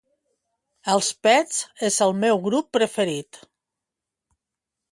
Els Pets és el meu grup preferit.